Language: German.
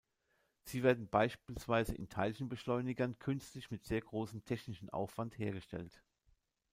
Sie werden beispielsweise in Teilchenbeschleunigern künstlich mit sehr großem technischen Aufwand hergestellt.